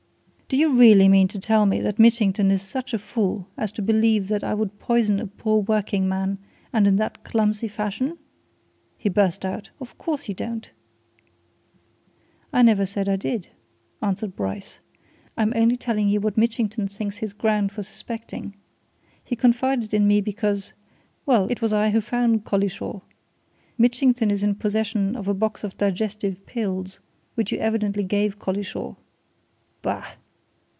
"Do you really mean to tell me that Mitchington is such a fool as to believe that I would poison a poor working man and in that clumsy fashion?" he burst out. "Of course you don't." "I never said I did," answered Bryce. "I'm only telling you what Mitchington thinks his grounds for suspecting. He confided in me because well, it was I who found Collishaw. Mitchington is in possession of a box of digestive pills which you evidently gave Collishaw." "Bah!"